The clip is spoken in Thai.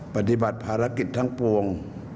ปฏิบัติภารกิจทั้งปวง